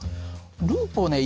ループをね